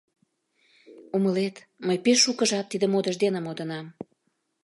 Умылет, мый пеш шуко жап тиде модыш дене модынам.